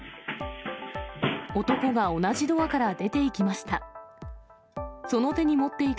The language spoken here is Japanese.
男が同じドアから出ていきました。